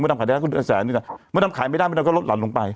มดดำขายได้ล้านก็ด้วยละแสนหนึ่งกันมดดำขายไม่ได้ไม่ได้ก็ลดลำลงไป